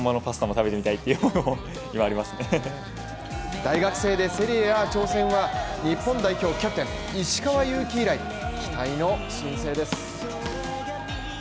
大学生ではセリエＡ挑戦は日本代表キャプテン石川祐希以来、期待の新星です。